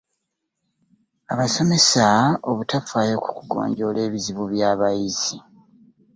Abasomesa obutafaayo ku kugonjoola bizibu by’abayizi.